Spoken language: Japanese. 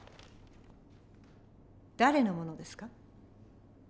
誰のものですか？